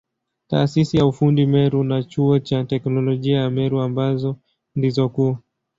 Taasisi ya ufundi Meru na Chuo cha Teknolojia ya Meru ambazo ndizo kuu.